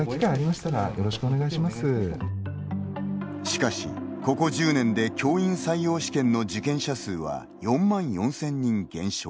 しかし、ここ１０年で教員採用試験の受験者数は４万４０００人減少。